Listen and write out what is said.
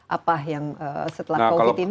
apa yang setelah covid ini apa pelajaran